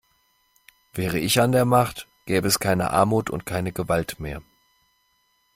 Wäre ich an der Macht, gäbe es keine Armut und keine Gewalt mehr!